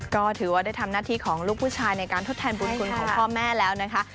ก็ถือว่าได้ทำหน้าที่ของลูกผู้ชายในการทดแทนบุญคุณของพ่อแม่แล้วนะคะ